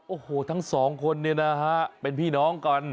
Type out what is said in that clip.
โอ้โหทั้งสองคนเนี่ยนะฮะเป็นพี่น้องกัน